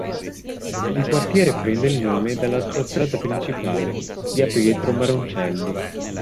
Il quartiere prende nome dalla sua strada principale, via Pietro Maroncelli.